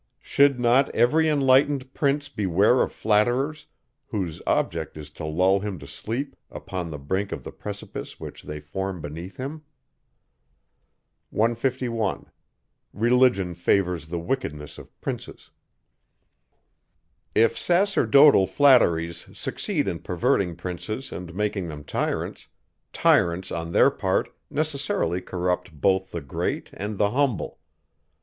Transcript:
Should not every enlightened prince beware of flatterers, whose object is to lull him to sleep upon the brink of the precipice which they form beneath him? 151. If sacerdotal flatteries succeed in perverting princes and making them tyrants; tyrants, on their part, necessarily corrupt both the great and the humble.